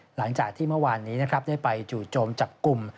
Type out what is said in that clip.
หลังจากที่ว่านี้ได้ไปจู่โจมจับกลุ่ม